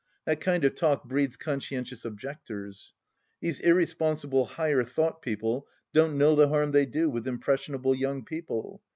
That kind of talk breeds Conscientious Objectors. These irresponsible Higher Thought people don't know the harm they do with impressionable young people.